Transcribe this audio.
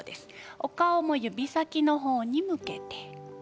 お顔も指先の方に向けて。